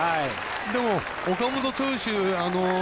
でも、岡本投手